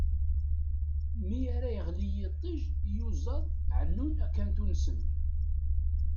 Mi ara yeɣli yiṭij, iyuzaḍ ɛennun akantu-nsen.